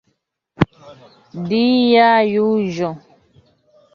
Dia juĝo.